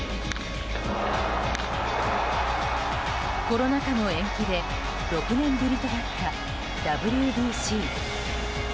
コロナ禍の延期で６年ぶりとなったＷＢＣ。